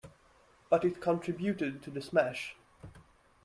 But it contributed to the smash.